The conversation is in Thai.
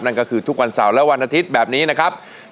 นั่นก็คือทุกวันเสาร์และวันอาทิตย์แบบนี้นะครับ